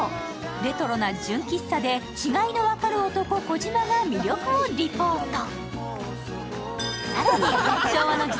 レトロな純喫茶で違いの分かる男、児島をリポート。